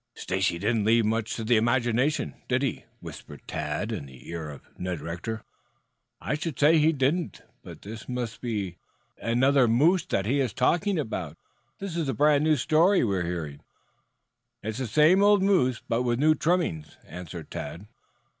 "Stacy didn't leave much to the imagination, did he?" whispered Tad in the ear of Ned Rector. "I should say he didn't. But this must be another moose that he is talking about. This a brand new story we are hearing." "It's the same old moose, but with new trimmings," answered Tad.